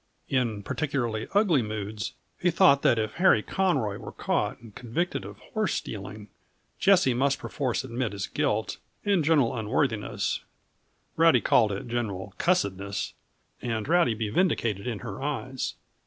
In particularly ugly moods he thought that if Harry Conroy were caught and convicted of horsestealing, Jessie must perforce admit his guilt and general unworthiness Rowdy called it general cussedness and Rowdy be vindicated in her eyes.